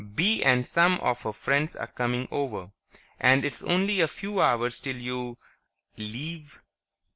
Bee and some of her friends are coming over, and it's only a few hours 'till you ... leave."